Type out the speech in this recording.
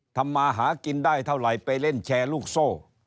ทำมาหากินได้เท่าไหร่ไปเล่นแชร์ลูกโซ่